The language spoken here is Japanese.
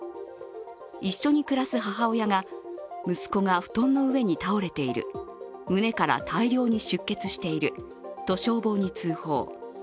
一緒に暮らす母親が息子が布団の上に倒れている、胸から大量に出血していると消防に通報。